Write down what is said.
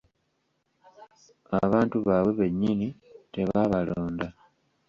Abantu baabwe bennyini tebaabalonda.